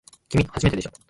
きみ、初めてでしょ。